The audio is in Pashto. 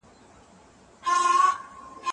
په بېغمه یې د تور دانې خوړلې